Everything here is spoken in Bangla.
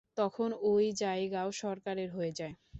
তখন ঐ যায়গাও, সরকারের হয়ে যায়।